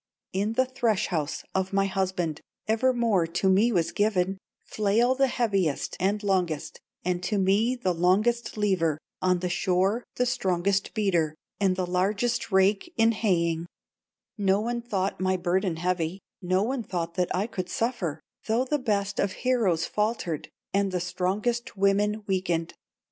In the thresh house of my husband, Evermore to me was given Flail the heaviest and longest, And to me the longest lever, On the shore the strongest beater, And the largest rake in haying; No one thought my burden heavy, No one thought that I could suffer, Though the best of heroes faltered, And the strongest women weakened.